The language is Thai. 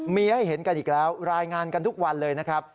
มีให้เห็นกันอีกแล้วรายงานกันทุกวันเลยนะครับ